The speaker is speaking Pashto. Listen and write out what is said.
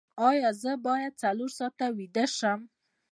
ایا زه باید څلور ساعته ویده شم؟